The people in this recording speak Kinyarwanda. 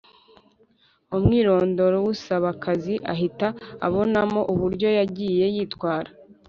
umwirondoro w’usaba akazi, ahita abonamo uburyo yagiye yitwara